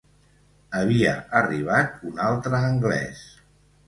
Havia arribat un altre anglès.